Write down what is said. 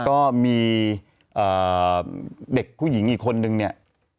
ก็มีเด็กผู้หญิงอีกคนนึงเนี่ย